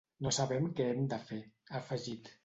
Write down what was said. No sabem què hem de fer, ha afegit.